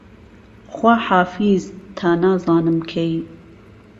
خواحافیز تا نازانم کەی